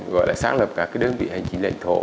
gọi là sáng lập các đơn vị hành chính lệnh thổ